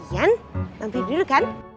ian mampir dulu kan